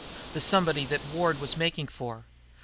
The somebody that Ward was making for."